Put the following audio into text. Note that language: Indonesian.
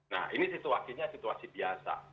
nah ini situasinya situasi biasa